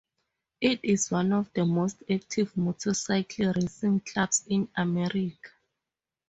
It is one of the most active motorcycle racing clubs in America.